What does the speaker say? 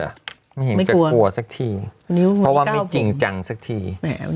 ไม่เห็นจะกลัวสักทีเพราะว่าไม่จริงจังสักที